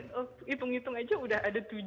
tahun ini hitung hitung aja udah ada tujuh superhero